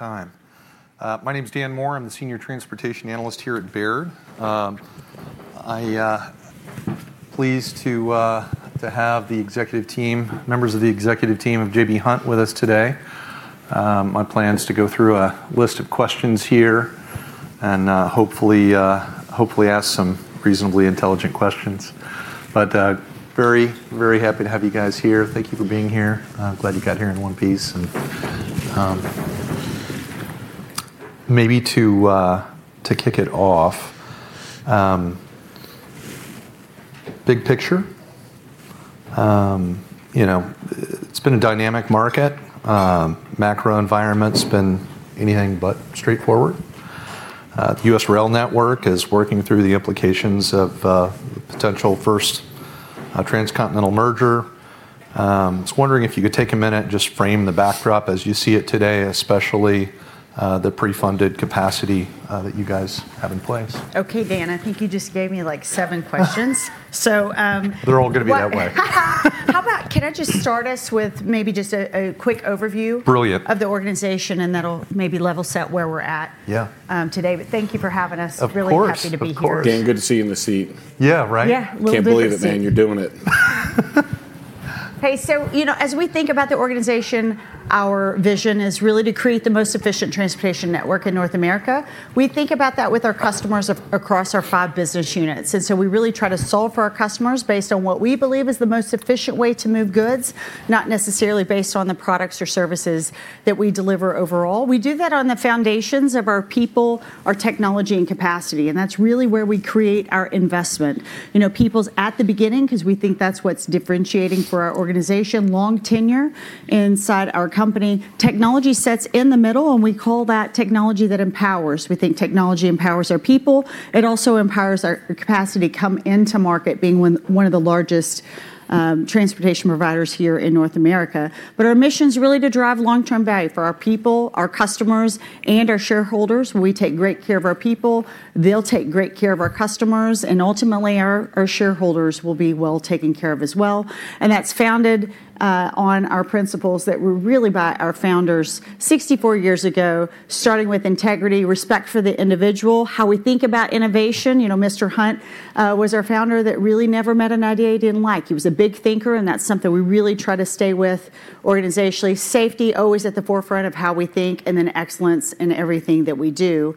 My name is Dan Moore. I'm the Senior Transportation Analyst here at Baird. I'm pleased to have the executive team, members of the executive team of J.B. Hunt with us today. My plan is to go through a list of questions here and hopefully ask some reasonably intelligent questions. Very, very happy to have you guys here. Thank you for being here. I'm glad you got here in one piece. Maybe to kick it off, big picture. You know it's been a dynamic market. Macro environment's been anything but straightforward. The U.S. Rail Network is working through the implications of the potential first transcontinental merger. I was wondering if you could take a minute and just frame the backdrop as you see it today, especially the pre-funded capacity that you guys have in place. OK, Dan, I think you just gave me like seven questions. They're all going to be that way. How about, can I just start us with maybe just a quick overview? Brilliant. Of the organization, and that'll maybe level set where we're at today. Thank you for having us. Of course. Really happy to be here. Of course, of course. Dan, good to see you in the seat. Yeah, right? Yeah. Can't believe it, man. You're doing it. Hey, so you know as we think about the organization, our vision is really to create the most efficient transportation network in North America. We think about that with our customers across our five business units. We really try to solve for our customers based on what we believe is the most efficient way to move goods, not necessarily based on the products or services that we deliver overall. We do that on the foundations of our people, our technology, and capacity. That is really where we create our investment. You know people is at the beginning, because we think that is what is differentiating for our organization, long tenure inside our company. Technology sits in the middle, and we call that technology that empowers. We think technology empowers our people. It also empowers our capacity to come into market, being one of the largest transportation providers here in North America. But our mission's really to drive long-term value for our people, our customers, and our shareholders. We take great care of our people. They'll take great care of our customers. And ultimately, our shareholders will be well taken care of as well. That's founded on our principles that were really by our founders 64 years ago, starting with integrity, respect for the individual, how we think about innovation. You know, Mr. Hunt was our founder that really never met an idea he didn't like. He was a big thinker, and that's something we really try to stay with organizationally. Safety, always at the forefront of how we think, and then excellence in everything that we do.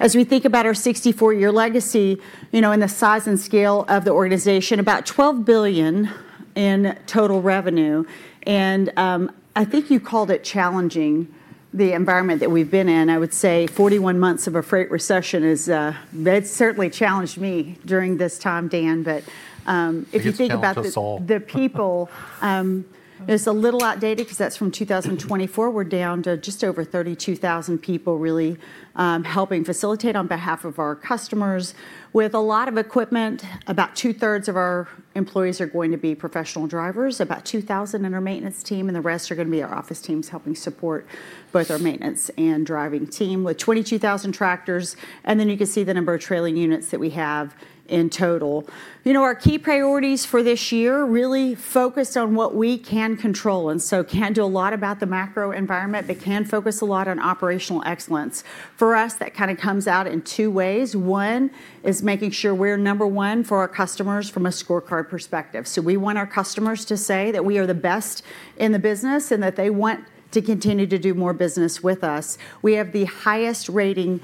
As we think about our 64-year legacy and the size and scale of the organization, about $12 billion in total revenue. I think you called it challenging, the environment that we've been in. I would say 41 months of a freight recession has certainly challenged me during this time, Dan. If you think about the people, it's a little outdated, because that's from 2024. We're down to just over 32,000 people really helping facilitate on behalf of our customers with a lot of equipment. About 2/3 of our employees are going to be professional drivers, about 2,000 in our maintenance team, and the rest are going to be our office teams helping support both our maintenance and driving team with 22,000 tractors. You can see the number of trailing units that we have in total. You know, our key priorities for this year really focused on what we can control. We can do a lot about the macro environment, but can focus a lot on operational excellence. For us, that kind of comes out in two ways. One is making sure we're number one for our customers from a scorecard perspective. So we want our customers to say that we are the best in the business and that they want to continue to do more business with us. We have the highest rating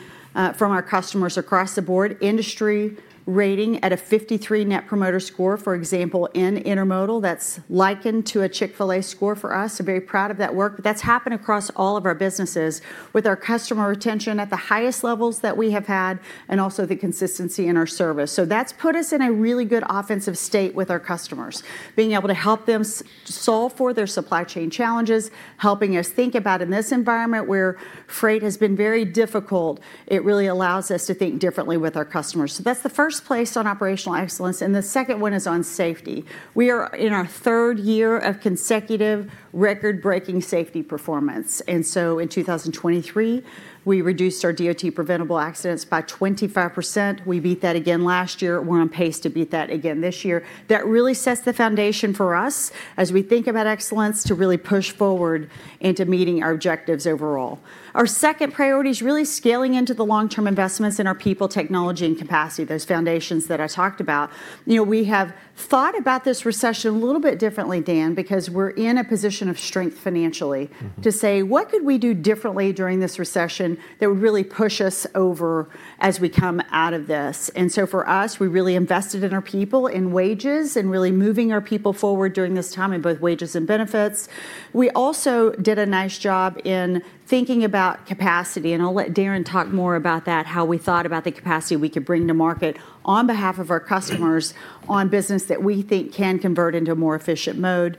from our customers across the board, industry rating at a 53% net promoter score. For example, in Intermodal, that's likened to a Chick-fil-A score for us. We're very proud of that work. That's happened across all of our businesses with our customer retention at the highest levels that we have had and also the consistency in our service. That has put us in a really good offensive state with our customers, being able to help them solve for their supply chain challenges, helping us think about in this environment where freight has been very difficult. It really allows us to think differently with our customers. That is the first place on operational excellence. The second one is on safety. We are in our third year of consecutive record-breaking safety performance. In 2023, we reduced our DOT preventable accidents by 25%. We beat that again last year. We are on pace to beat that again this year. That really sets the foundation for us as we think about excellence to really push forward into meeting our objectives overall. Our second priority is really scaling into the long-term investments in our people, technology, and capacity, those foundations that I talked about. You know, we have thought about this recession a little bit differently, Dan, because we're in a position of strength financially to say, what could we do differently during this recession that would really push us over as we come out of this? And so for us, we really invested in our people, in wages, and really moving our people forward during this time in both wages and benefits. We also did a nice job in thinking about capacity. I'll let Darren talk more about that, how we thought about the capacity we could bring to market on behalf of our customers on business that we think can convert into a more efficient mode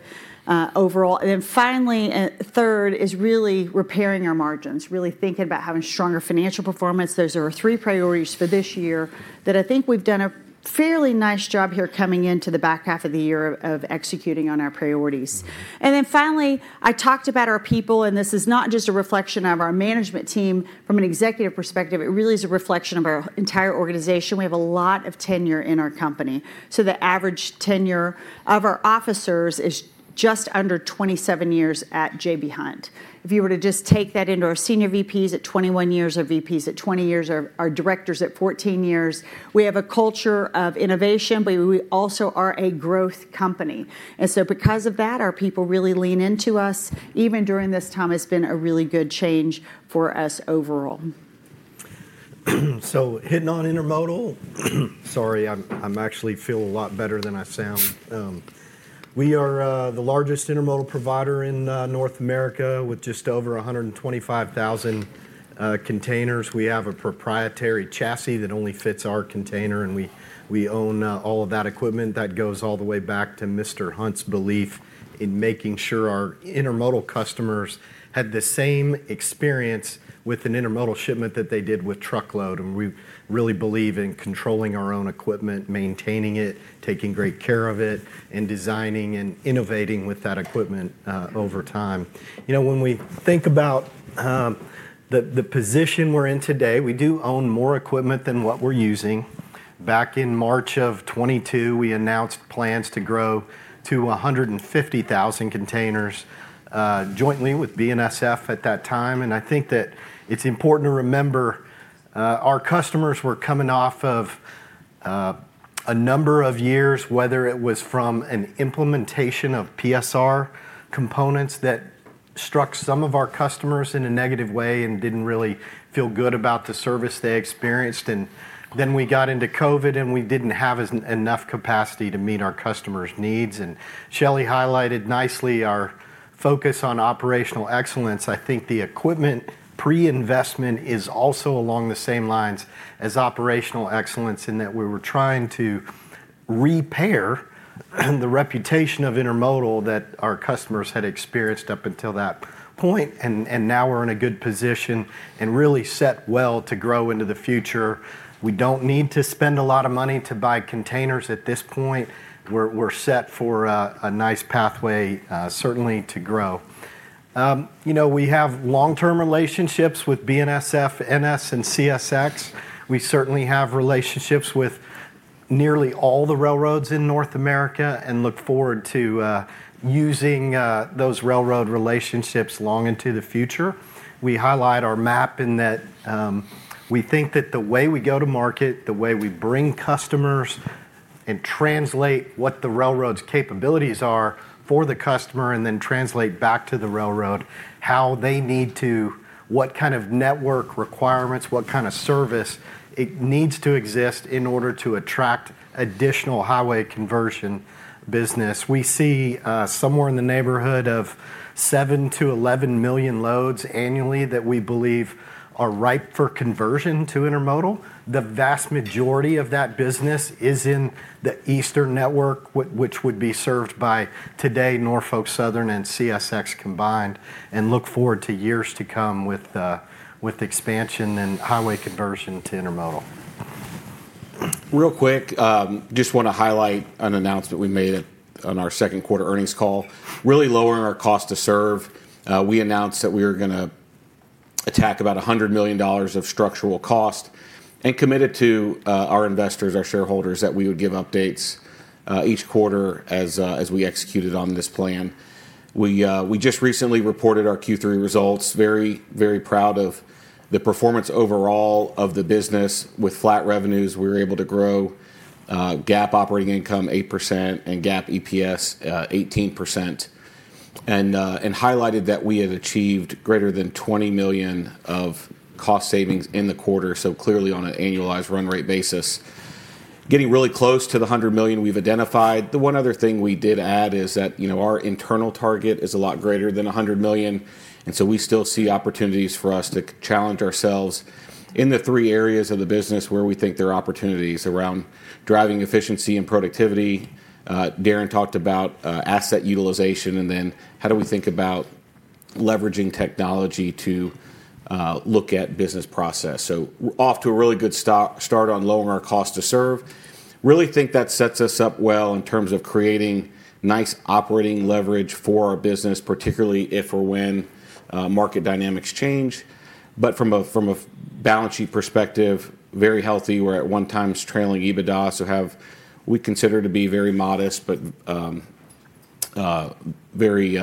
overall. Finally, third is really repairing our margins, really thinking about having stronger financial performance. Those are our three priorities for this year that I think we've done a fairly nice job here coming into the back half of the year of executing on our priorities. And then finally, I talked about our people. This is not just a reflection of our management team from an executive perspective. It really is a reflection of our entire organization. We have a lot of tenure in our company. So the average tenure of our officers is just under 27 years at J.B. Hunt. If you were to just take that into our senior VPs at 21 years, our VPs at 20 years, our directors at 14 years, we have a culture of innovation, but we also are a growth company. Because of that, our people really lean into us. Even during this time, it's been a really good change for us overall. So hitting on Intermodal, sorry, I actually feel a lot better than I sound. We are the largest Intermodal provider in North America with just over 125,000 containers. We have a proprietary chassis that only fits our container. We own all of that equipment that goes all the way back to Mr. Hunt's belief in making sure our Intermodal customers had the same experience with an Intermodal shipment that they did with truckload. We really believe in controlling our own equipment, maintaining it, taking great care of it, and designing and innovating with that equipment over time. You know, when we think about the position we're in today, we do own more equipment than what we're using. Back in March of 2022, we announced plans to grow to 150,000 containers jointly with BNSF at that time. I think that it's important to remember our customers were coming off of a number of years, whether it was from an implementation of PSR components that struck some of our customers in a negative way and did not really feel good about the service they experienced. We got into COVID, and we did not have enough capacity to meet our customers' needs. Shelley highlighted nicely our focus on operational excellence. I think the equipment pre-investment is also along the same lines as operational excellence in that we were trying to repair the reputation of Intermodal that our customers had experienced up until that point. And now we are in a good position and really set well to grow into the future. We do not need to spend a lot of money to buy containers at this point. We are set for a nice pathway, certainly, to grow. You know, we have long-term relationships with BNSF, NS, and CSX. We certainly have relationships with nearly all the railroads in North America and look forward to using those railroad relationships long into the future. We highlight our map in that we think that the way we go to market, the way we bring customers and translate what the railroad's capabilities are for the customer and then translate back to the railroad how they need to, what kind of network requirements, what kind of service it needs to exist in order to attract additional highway conversion business. We see somewhere in the neighborhood of 7 million-11 million loads annually that we believe are ripe for conversion to Intermodal. The vast majority of that business is in the Easter network, which would be served by today Norfolk Southern and CSX combined, and look forward to years to come with expansion and highway conversion to Intermodal. Real quick, just want to highlight an announcement we made on our second quarter earnings call, really lowering our cost to serve. We announced that we were going to attack about $100 million of structural cost and committed to our investors, our shareholders, that we would give updates each quarter as we executed on this plan. We just recently reported our Q3 results. Very, very proud of the performance overall of the business. With flat revenues, we were able to grow GAAP operating income 8% and GAAP EPS 18%, and highlighted that we had achieved greater than $20 million of cost savings in the quarter, so clearly on an annualized run rate basis, getting really close to the $100 million we've identified. The one other thing we did add is that our internal target is a lot greater than $100 million. And so we still see opportunities for us to challenge ourselves in the three areas of the business where we think there are opportunities around driving efficiency and productivity. Darren talked about asset utilization and then how do we think about leveraging technology to look at business process. Off to a really good start on lowering our cost to serve. Really think that sets us up well in terms of creating nice operating leverage for our business, particularly if or when market dynamics change. From a balance sheet perspective, very healthy. We're at 1x trailing EBITDA, so we consider to be very modest but very,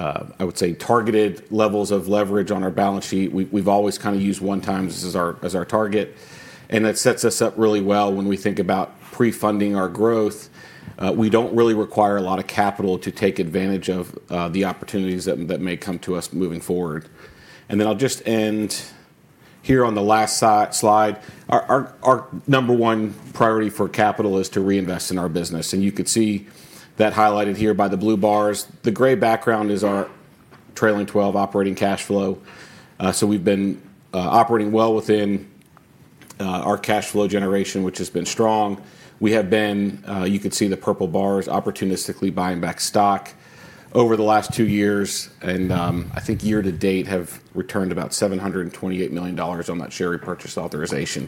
I would say, targeted levels of leverage on our balance sheet. We've always kind of used 1x as our target. That sets us up really well when we think about pre-funding our growth. We do not really require a lot of capital to take advantage of the opportunities that may come to us moving forward. I will just end here on the last slide. Our number one priority for capital is to reinvest in our business. You could see that highlighted here by the blue bars. The gray background is our trailing 12 operating cash flow. We have been operating well within our cash flow generation, which has been strong. You could see the purple bars, opportunistically buying back stock over the last two years. I think year-to-date have returned about $728 million on that share repurchase authorization.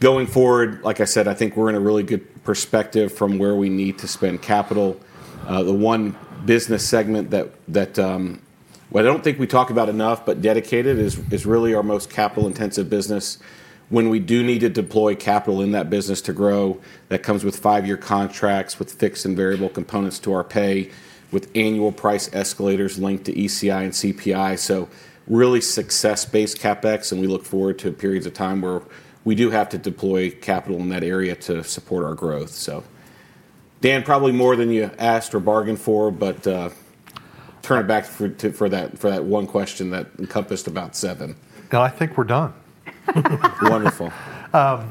Going forward, like I said, I think we are in a really good perspective from where we need to spend capital. The one business segment that I don't think we talk about enough, but dedicated, is really our most capital-intensive business. When we do need to deploy capital in that business to grow, that comes with five-year contracts with fixed and variable components to our pay, with annual price escalators linked to ECI and CPI. So, really success-based CapEx. We look forward to periods of time where we do have to deploy capital in that area to support our growth. So, Dan, probably more than you asked or bargained for, but turn it back for that one question that encompassed about seven. Now, I think we're done. Wonderful.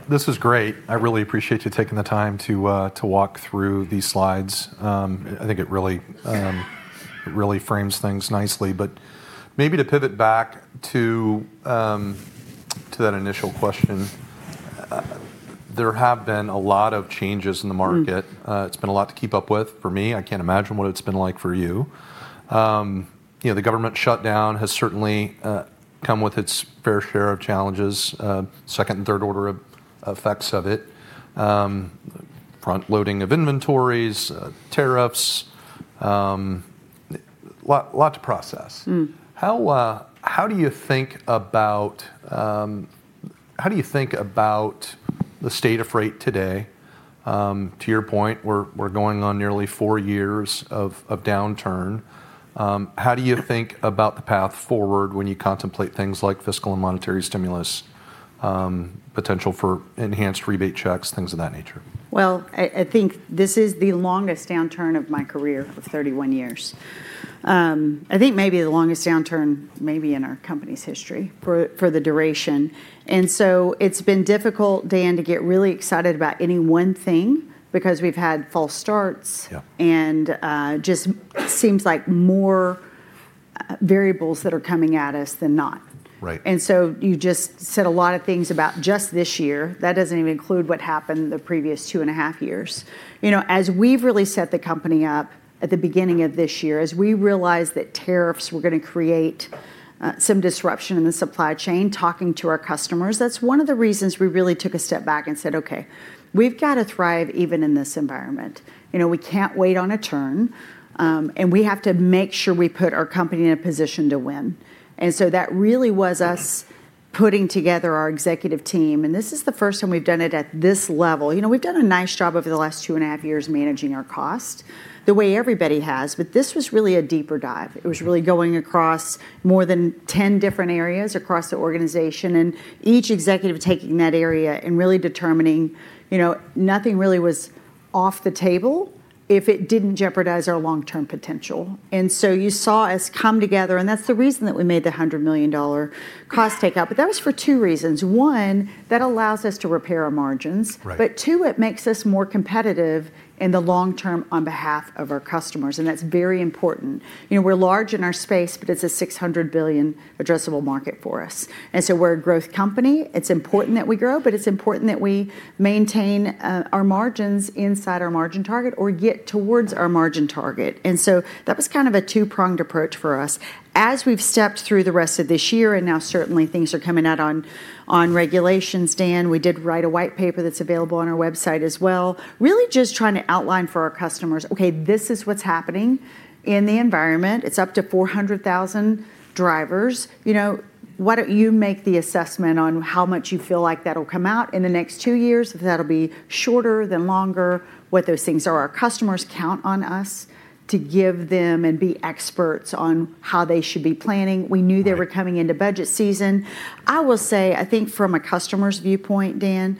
This was great. I really appreciate you taking the time to walk through these slides. I think it really frames things nicely. Maybe to pivot back to that initial question, there have been a lot of changes in the market. It's been a lot to keep up with. For me, I can't imagine what it's been like for you. The government shutdown has certainly come with its fair share of challenges, second and third-order effects of it, front-loading of inventories, tariffs, a lot to process. How do you think about the state of freight today? To your point, we're going on nearly four years of downturn. How do you think about the path forward when you contemplate things like fiscal and monetary stimulus, potential for enhanced rebate checks, things of that nature? Well, I think this is the longest downturn of my career of 31 years. I think maybe the longest downturn maybe in our company's history for the duration. It has been difficult, Dan, to get really excited about any one thing because we have had false starts. And it just seems like more variables that are coming at us than not. You just said a lot of things about just this year. That does not even include what happened the previous two and a half years. As we have really set the company up at the beginning of this year, as we realized that tariffs were going to create some disruption in the supply chain, talking to our customers, that is one of the reasons we really took a step back and said, OK, we have got to thrive even in this environment. We cannot wait on a turn. We have to make sure we put our company in a position to win. And so that really was us putting together our executive team. This is the first time we've done it at this level. We've done a nice job over the last two and a half years managing our cost the way everybody has. But this was really a deeper dive. It was really going across more than 10 different areas across the organization and each executive taking that area and really determining nothing really was off the table if it did not jeopardize our long-term potential. And so you saw us come together. That is the reason that we made the $100 million cost takeout. That was for two reasons. One, that allows us to repair our margins. But two, it makes us more competitive in the long term on behalf of our customers. And that's very important. We're large in our space, but it's a $600 billion addressable market for us. As we're a growth company. It's important that we grow, but it's important that we maintain our margins inside our margin target or get towards our margin target. And so that was kind of a two-pronged approach for us. As we've stepped through the rest of this year and now certainly things are coming out on regulations, Dan, we did write a white paper that's available on our website as well, really just trying to outline for our customers, OK, this is what's happening in the environment. It's up to 400,000 drivers. You know why don't you make the assessment on how much you feel like that will come out in the next two years, if that'll be shorter than longer, what those things are. Our customers count on us to give them and be experts on how they should be planning. We knew they were coming into budget season. I will say, I think from a customer's viewpoint, Dan,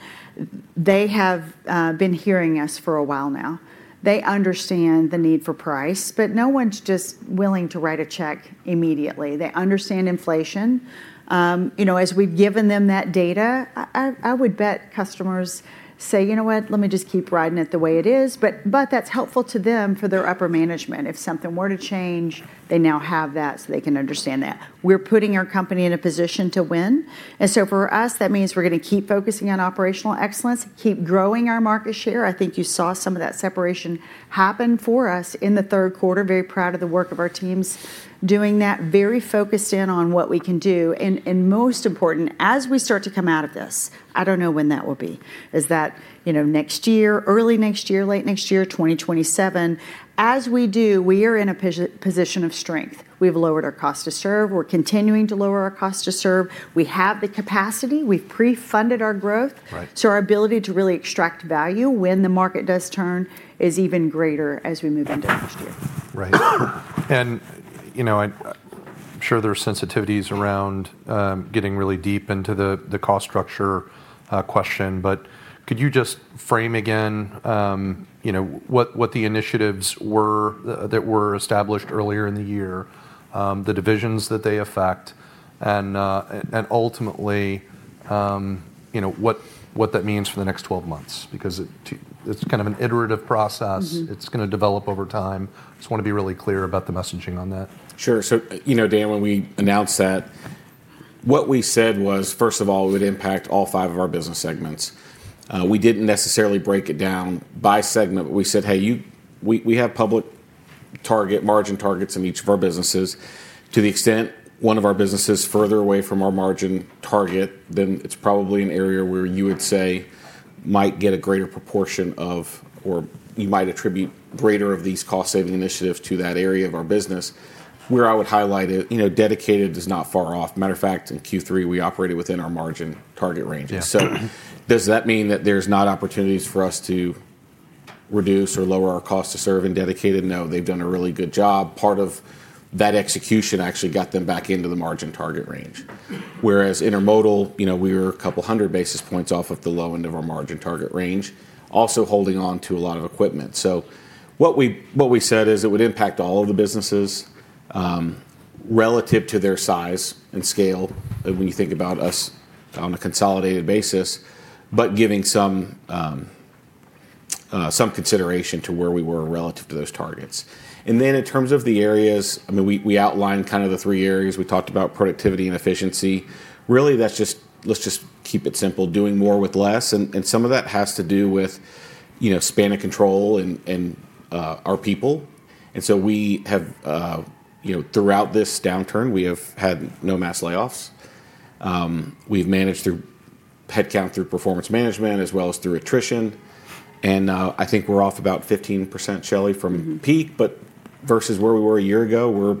they have been hearing us for a while now. They understand the need for price, but no one's just willing to write a check immediately. They understand inflation. As we've given them that data, I would bet customers say, you know what, let me just keep riding it the way it is. That is helpful to them for their upper management. If something were to change, they now have that so they can understand that. We are putting our company in a position to win. For us, that means we are going to keep focusing on operational excellence, keep growing our market share. I think you saw some of that separation happen for us in the third quarter. Very proud of the work of our teams doing that, very focused in on what we can do. And most important, as we start to come out of this, I do not know when that will be, is that next year, early next year, late next year, 2027, as we do, we are in a position of strength. We have lowered our cost to serve. We are continuing to lower our cost to serve. We have the capacity. We have pre-funded our growth. So our ability to really extract value when the market does turn is even greater as we move into next year. Right. I am sure there are sensitivities around getting really deep into the cost structure question. Could you just frame again what the initiatives were that were established earlier in the year, the divisions that they affect, and ultimately what that means for the next 12 months? It is kind of an iterative process. It is going to develop over time. I just want to be really clear about the messaging on that. Sure. So you know, Dan, when we announced that, what we said was, first of all, it would impact all five of our business segments. We did not necessarily break it down by segment, but we said, hey, we have public margin targets in each of our businesses. To the extent one of our businesses is further away from our margin target, then it is probably an area where you would say might get a greater proportion of, or you might attribute greater of these cost-saving initiatives to that area of our business. Where I would highlight it, dedicated is not far off. Matter of fact, in Q3, we operated within our margin target range. Does that mean that there are not opportunities for us to reduce or lower our cost to serve in dedicated? No, they have done a really good job. Part of that execution actually got them back into the margin target range. Whereas Intermodal, we were a couple 100 basis points off of the low end of our margin target range, also holding on to a lot of equipment. What we said is it would impact all of the businesses relative to their size and scale when you think about us on a consolidated basis, but giving some consideration to where we were relative to those targets. In terms of the areas, I mean, we outlined kind of the three areas. We talked about productivity and efficiency. Really, let's just keep it simple, doing more with less. Some of that has to do with span of control and our people. And so we have, throughout this downturn, we have had no mass layoffs. We've managed through headcount through performance management as well as through attrition. I think we're off about 15%, Shelley, from peak, but versus where we were a year ago, we're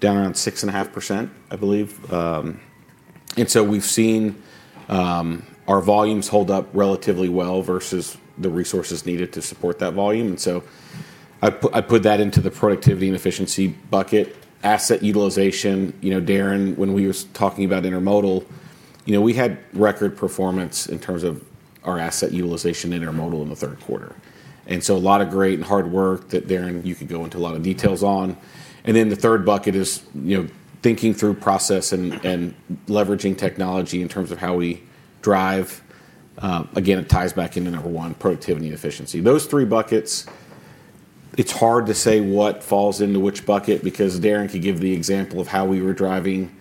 down around 6.5%, I believe. We've seen our volumes hold up relatively well versus the resources needed to support that volume. I put that into the productivity and efficiency bucket, asset utilization. Darren, when we were talking about Intermodal, we had record performance in terms of our asset utilization Intermodal in the third quarter. A lot of great and hard work that, Darren, you could go into a lot of details on. And then the third bucket is thinking through process and leveraging technology in terms of how we drive. Again, it ties back into number one, productivity and efficiency. Those three buckets, it's hard to say what falls into which bucket because Darren could give the example of how we were driving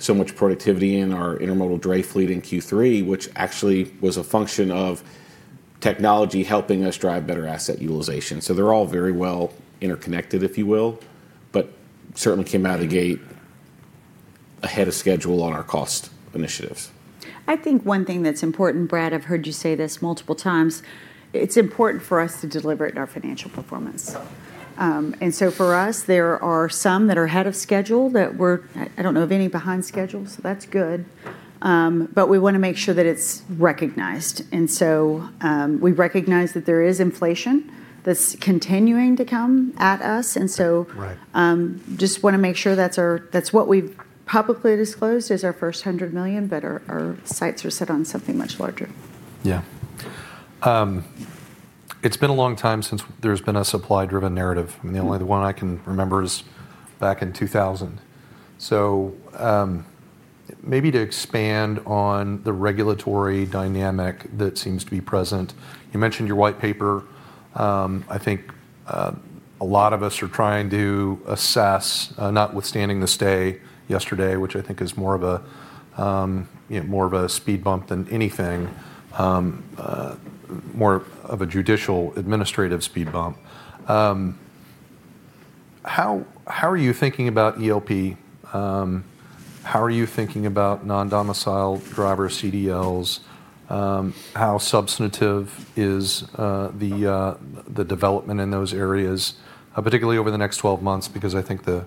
so much productivity in our Intermodal dray fleet in Q3, which actually was a function of technology helping us drive better asset utilization. They are all very well interconnected, if you will, but certainly came out of the gate ahead of schedule on our cost initiatives. I think one thing that's important, Brad, I've heard you say this multiple times, it's important for us to deliver it in our financial performance. And so for us, there are some that are ahead of schedule that we're, I don't know of any behind schedule, so that's good. But we want to make sure that it's recognized. We recognize that there is inflation that's continuing to come at us. And so just want to make sure that's what we've publicly disclosed as our first $100 million, but our sights are set on something much larger. Yeah. It's been a long time since there's been a supply-driven narrative. The only one I can remember is back in 2000. So maybe to expand on the regulatory dynamic that seems to be present, you mentioned your white paper. I think a lot of us are trying to assess, notwithstanding the stay yesterday, which I think is more of a speed bump than anything, more of a judicial administrative speed bump. How are you thinking about ELP? How are you thinking about non-domicile driver CDLs? How substantive is the development in those areas, particularly over the next 12 months, because I think the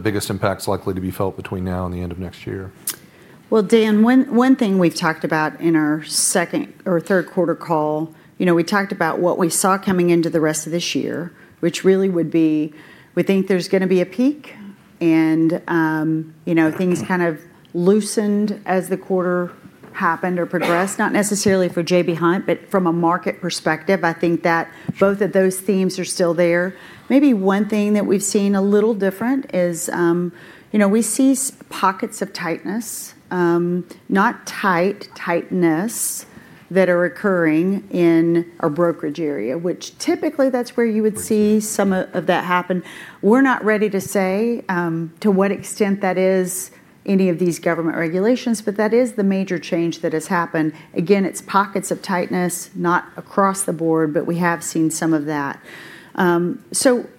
biggest impact is likely to be felt between now and the end of next year? Dan, one thing we've talked about in our second or third quarter call, we talked about what we saw coming into the rest of this year, which really would be, we think there's going to be a peak and things kind of loosened as the quarter happened or progressed, not necessarily for J.B. Hunt, but from a market perspective, I think that both of those themes are still there. Maybe one thing that we've seen a little different is we see pockets of tightness, not tight tightness that are occurring in our brokerage area, which typically that's where you would see some of that happen. We're not ready to say to what extent that is any of these government regulations, but that is the major change that has happened. Again, it's pockets of tightness, not across the board, but we have seen some of that.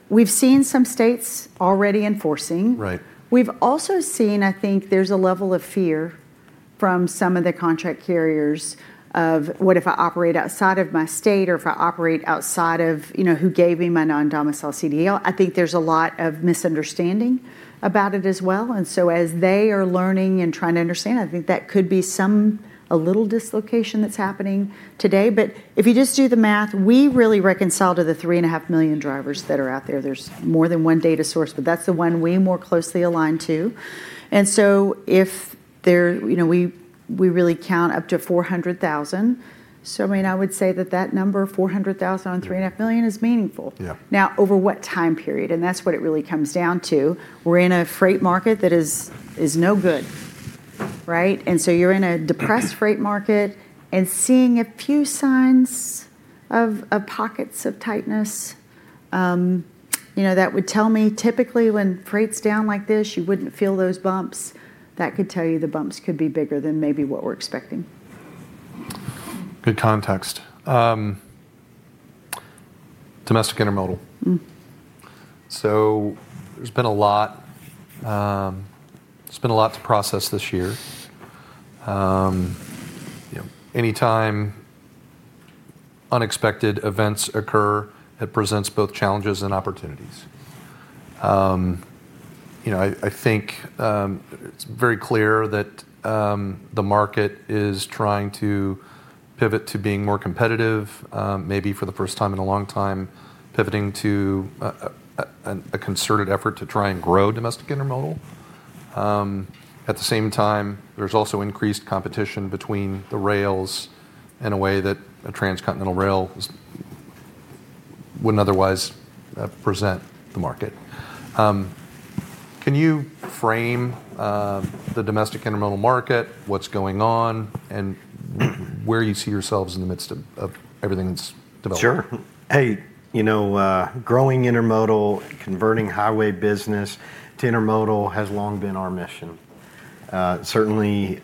We've seen some states already enforcing. We've also seen, I think there's a level of fear from some of the contract carriers of, what if I operate outside of my state or if I operate outside of who gave me my non-domicile CDL? I think there's a lot of misunderstanding about it as well. As they are learning and trying to understand, I think that could be some a little dislocation that's happening today. If you just do the math, we really reconcile to the three and a half million drivers that are out there. There's more than one data source, but that's the one we more closely align to. If we really count up to 400,000, I mean, I would say that that number, 400,000 on three and a half million is meaningful. Now, over what time period? That is what it really comes down to. We are in a freight market that is no good. You are in a depressed freight market and seeing a few signs of pockets of tightness. That would tell me typically when freight is down like this, you would not feel those bumps. That could tell you the bumps could be bigger than maybe what we are expecting. Good context. Domestic Intermodal. There's been a lot to process this year. Anytime unexpected events occur, it presents both challenges and opportunities. I think it's very clear that the market is trying to pivot to being more competitive, maybe for the first time in a long time, pivoting to a concerted effort to try and grow domestic Intermodal. At the same time, there's also increased competition between the rails in a way that a transcontinental rail wouldn't otherwise present the market. Can you frame the domestic Intermodal market, what's going on, and where you see yourselves in the midst of everything that's developing? Sure. Hey, you know growing Intermodal, converting highway business to Intermodal has long been our mission. Certainly,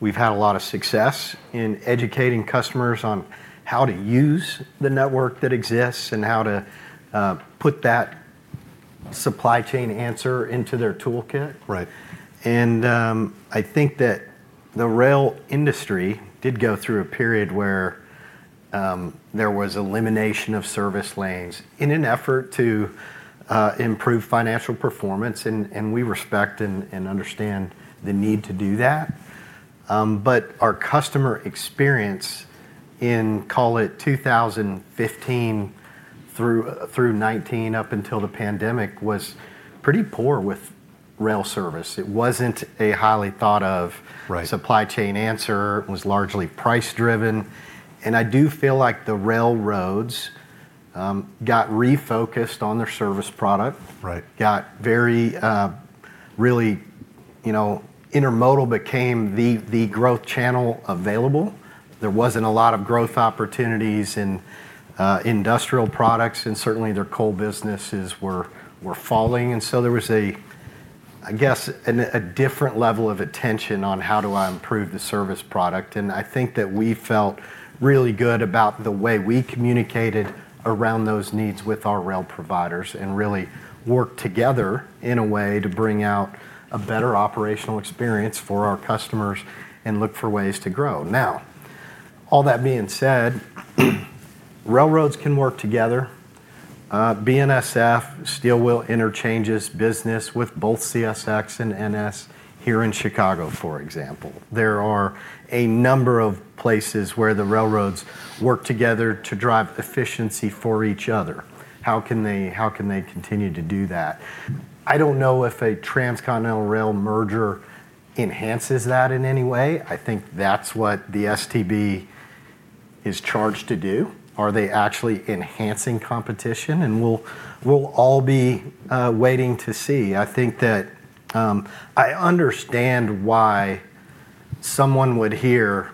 we've had a lot of success in educating customers on how to use the network that exists and how to put that supply chain answer into their toolkit. And I think that the rail industry did go through a period where there was elimination of service lanes in an effort to improve financial performance, and we respect and understand the need to do that. But our customer experience in, call it 2015 through 2019 up until the pandemic was pretty poor with rail service. It was not a highly thought of supply chain answer. It was largely price-driven. I do feel like the railroads got refocused on their service product, got very, really Intermodal became the growth channel available. There was not a lot of growth opportunities in industrial products, and certainly their coal businesses were falling. There was, I guess, a different level of attention on how do I improve the service product. I think that we felt really good about the way we communicated around those needs with our rail providers and really worked together in a way to bring out a better operational experience for our customers and look for ways to grow. All that being said, railroads can work together. BNSF, Steel-Wheel Interchanges business with both CSX and NS here in Chicago, for example. There are a number of places where the railroads work together to drive efficiency for each other. How can they continue to do that? I do not know if a transcontinental rail merger enhances that in any way. I think that is what the STB is charged to do. Are they actually enhancing competition? We will all be waiting to see. I think that I understand why someone would hear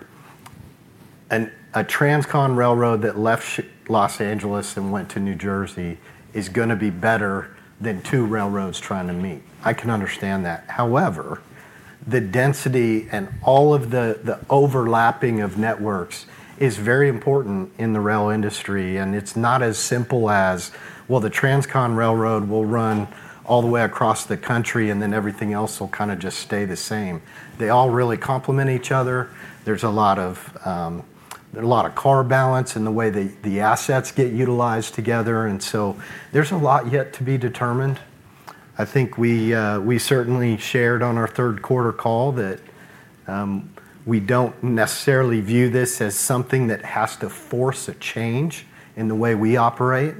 a transcon railroad that left Los Angeles and went to New Jersey is going to be better than two railroads trying to meet. I can understand that. However, the density and all of the overlapping of networks is very important in the rail industry. It is not as simple as, well, the transcon railroad will run all the way across the country and then everything else will kind of just stay the same. They all really complement each other. There is a lot of car balance in the way the assets get utilized together. There is a lot yet to be determined. I think we certainly shared on our third quarter call that we do not necessarily view this as something that has to force a change in the way we operate.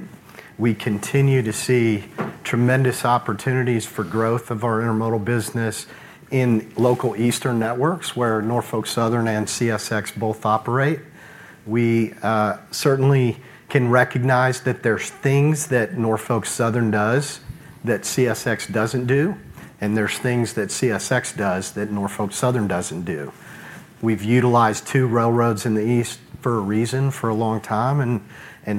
We continue to see tremendous opportunities for growth of our Intermodal business in local eastern networks where Norfolk Southern and CSX both operate. We certainly can recognize that there are things that Norfolk Southern does that CSX does not do, and there are things that CSX does that Norfolk Southern does not do. We have utilized two railroads in the east for a reason for a long time.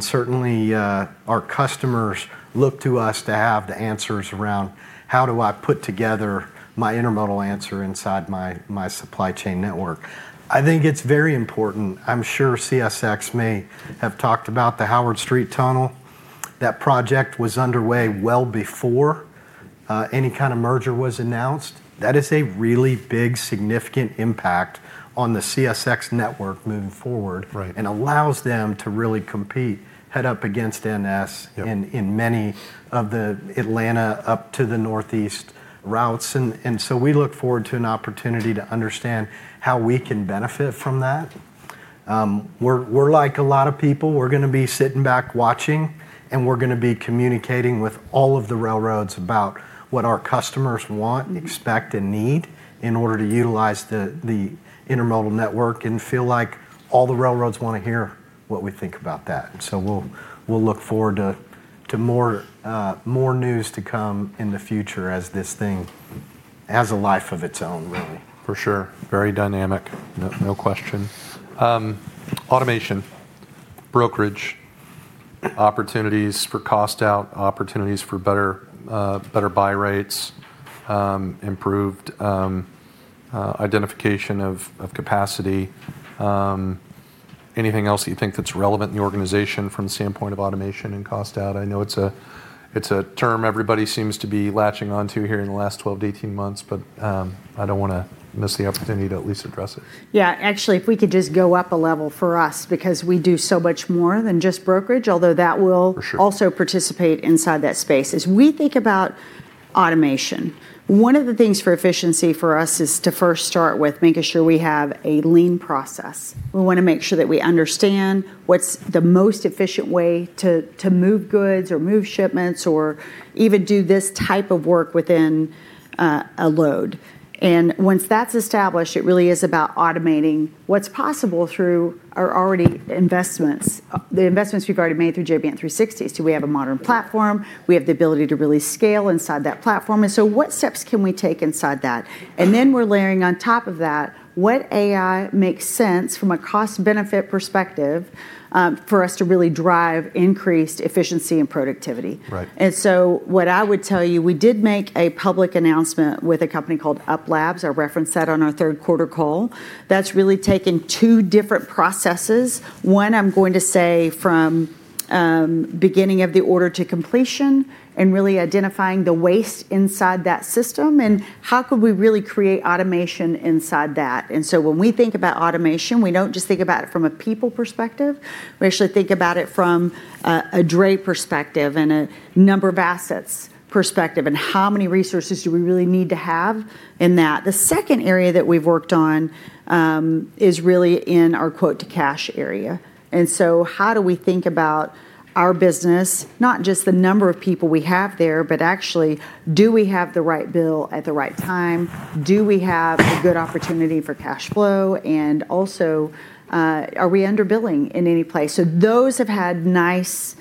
Certainly, our customers look to us to have the answers around how do I put together my Intermodal answer inside my supply chain network. I think it is very important. I am sure CSX may have talked about the Howard Street Tunnel. That project was underway well before any kind of merger was announced. That is a really big, significant impact on the CSX network moving forward and allows them to really compete head up against NS in many of the Atlanta up to the Northeast routes. We look forward to an opportunity to understand how we can benefit from that. We're like a lot of people. We're going to be sitting back watching, and we're going to be communicating with all of the railroads about what our customers want and expect and need in order to utilize the Intermodal network and feel like all the railroads want to hear what we think about that. We look forward to more news to come in the future as this thing has a life of its own, really. For sure. Very dynamic. No question. Automation, brokerage, opportunities for cost out, opportunities for better buy rates, improved identification of capacity. Anything else that you think that's relevant in the organization from the standpoint of automation and cost out? I know it's a term everybody seems to be latching onto here in the last 12 months-18 months, but I don't want to miss the opportunity to at least address it. Yeah. Actually, if we could just go up a level for us because we do so much more than just brokerage, although that will also participate inside that space. As we think about automation, one of the things for efficiency for us is to first start with making sure we have a lean process. We want to make sure that we understand what's the most efficient way to move goods or move shipments or even do this type of work within a load. Once that's established, it really is about automating what's possible through our already investments, the investments we've already made through J.B. Hunt 360. Do we have a modern platform? We have the ability to really scale inside that platform. What steps can we take inside that? Then we're layering on top of that, what AI makes sense from a cost-benefit perspective for us to really drive increased efficiency and productivity. And so what I would tell you, we did make a public announcement with a company called UP.Labs. I referenced that on our third-quarter call. That's really taken two different processes. One, I'm going to say from beginning of the order to completion and really identifying the waste inside that system and how could we really create automation inside that. So when we think about automation, we don't just think about it from a people perspective. We actually think about it from a dray perspective and a number of assets perspective and how many resources do we really need to have in that. The second area that we've worked on is really in our quote-to-cash area. And so how do we think about our business, not just the number of people we have there, but actually, do we have the right bill at the right time? Do we have a good opportunity for cash flow? And also, are we underbilling in any place? Those have had nice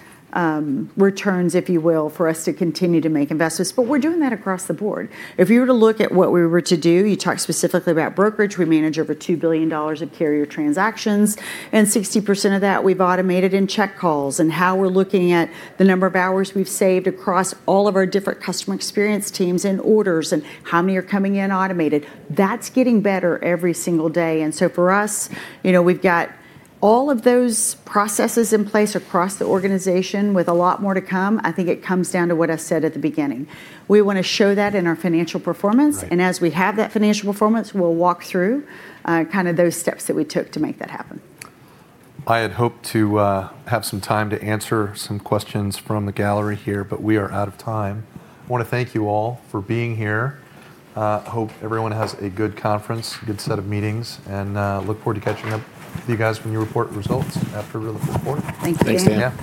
returns, if you will, for us to continue to make investments. We are doing that across the board. If you were to look at what we were to do, you talk specifically about brokerage. We manage over $2 billion of carrier transactions, and 60% of that we have automated in check calls and how we are looking at the number of hours we have saved across all of our different customer experience teams and orders and how many are coming in automated. That is getting better every single day. For us, we've got all of those processes in place across the organization with a lot more to come. I think it comes down to what I said at the beginning. We want to show that in our financial performance. And as we have that financial performance, we'll walk through kind of those steps that we took to make that happen. I had hoped to have some time to answer some questions from the gallery here, but we are out of time. I want to thank you all for being here. I hope everyone has a good conference, good set of meetings, and look forward to catching up with you guys when you report results after the report. Thank you. Thanks, Dan.